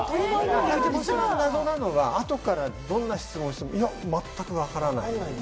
謎なのは、あとからどんな質問しても全く分からない。